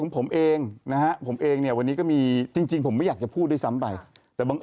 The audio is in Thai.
เพราะบางคนเขาก็เจอกับเหตุการณ์ของตัวเอง